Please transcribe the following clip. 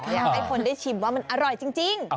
อยากให้คนได้ชิมว่ามันอร่อยจริง